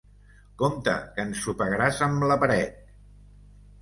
Compte! Que ensopegaràs amb la paret!